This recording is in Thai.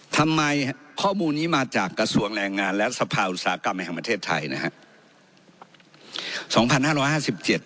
ทำไมข้อมูลนี้มาจากกระทรวงแรงงานและสภาอุตสาหกรรมแห่งประเทศไทยนะฮะ